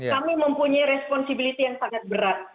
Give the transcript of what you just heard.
kami mempunyai responsibility yang sangat berat